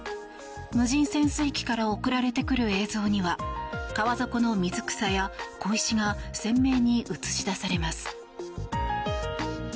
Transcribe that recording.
無人潜水機から送られてくる映像には川底の水草や小石が鮮明に映し出されます。